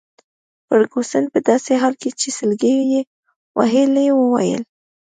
فرګوسن په داسي حال کي چي سلګۍ يې وهلې وویل.